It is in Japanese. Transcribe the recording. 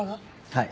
はい。